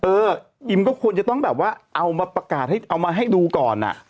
เอออิมก็ควรจะต้องแบบว่าเอามาประกาศให้เอามาให้ดูก่อนอ่ะ